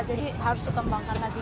jadi harus dikembangkan lagi